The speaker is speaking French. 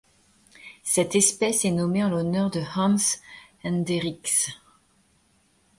Cette espèce est nommée en l'honneur de Hans Henderickx.